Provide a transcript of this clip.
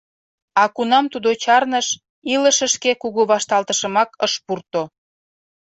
А кунам тудо чарныш, илышышке кугу вашталтышымак ыш пурто.